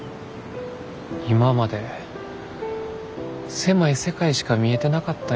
今まで狭い世界しか見えてなかったんやな。